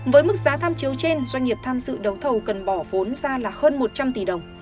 với mức giá tham chiếu trên doanh nghiệp tham dự đấu thầu cần bỏ vốn ra là hơn một trăm linh tỷ đồng